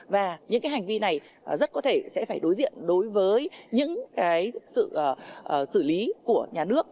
và những cái hành vi này rất có thể sẽ phải đối diện đối với những cái sự xử lý của nhà nước